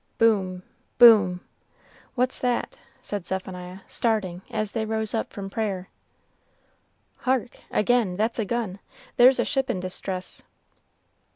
Boom! boom! "What's that?" said Zephaniah, starting, as they rose up from prayer. "Hark! again, that's a gun, there's a ship in distress."